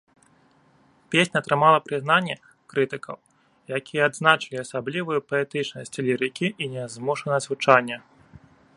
Песня атрымала прызнанне крытыкаў, якія адзначылі асаблівую паэтычнасці лірыкі і нязмушанасць гучання.